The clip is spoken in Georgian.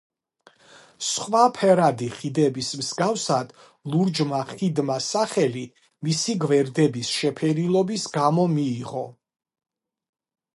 სხვა ფერადი ხიდების მსგავსად, ლურჯმა ხიდმა სახელი მისი გვერდების შეფერილობის გამო მიიღო.